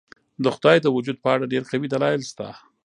د خدای د وجود په اړه ډېر قوي دلایل شته.